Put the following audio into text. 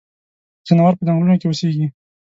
ځناور پۀ ځنګلونو کې اوسيږي.